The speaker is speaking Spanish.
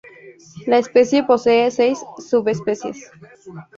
La especie posee seis subespecies.